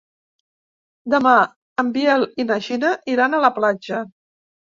Demà en Biel i na Gina iran a la platja.